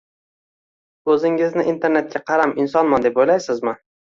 - O'zingizni internetga qaram insonman deb o'ylaysizmi?